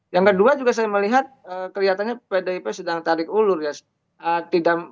yang kedua juga saya melihat kelihatannya pdip sedang tarik ulur ya